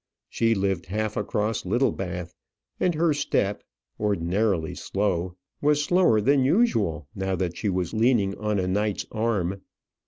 She lived half across Littlebath; and her step, ordinarily slow, was slower then usual now that she was leaning on a knight's arm.